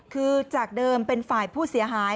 คือจากเดิมเป็นฝ่ายผู้เสียหาย